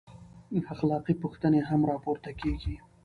اخلاقي پوښتنې هم راپورته کېږي.